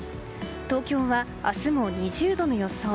東京は明日も２０度の予想。